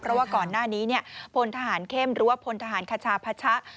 เพราะว่าก่อนหน้านี้พลทหารเข้มหรือว่าพลทหารคชาพัชะ